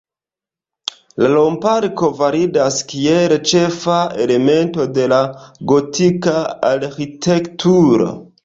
La romp-arko validas kiel ĉefa elemento de la gotika arĥitekturo.